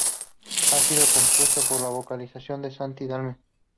Ha sido compuesta por el vocalista, Santi Balmes.